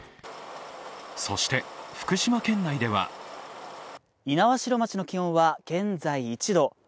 そして、福島県内では猪苗代町の気温は現在１度。